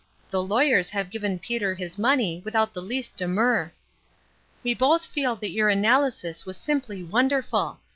The lawyers have given Peter his money without the least demur. "We both feel that your analysis was simply wonderful.